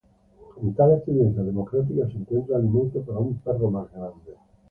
En tales tendencias democráticas se encuentra alimento para un perro más grande.